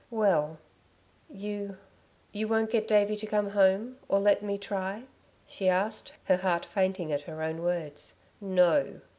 "Well ... you you won't get Davey to come home, or let me try?" she asked, her heart fainting at her own words. "No."